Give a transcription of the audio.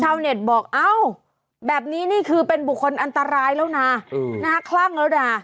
เน็ตบอกเอ้าแบบนี้นี่คือเป็นบุคคลอันตรายแล้วนะคลั่งแล้วนะ